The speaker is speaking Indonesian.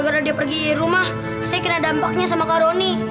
gara gara dia pergi dari rumah saya kena dampaknya sama kak roni